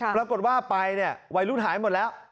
ปรากฏว่าไปเนี่ยวัยรุ่นหายหมดแล้ว